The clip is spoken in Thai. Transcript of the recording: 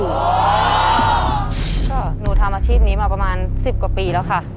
ก็หนูทำอาชีพนี้มาประมาณ๑๐กว่าปีแล้วค่ะ